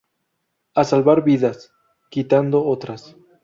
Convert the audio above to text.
A salvar vidas, quitando otras.